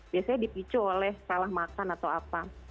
biasanya dipicu oleh salah makan atau apa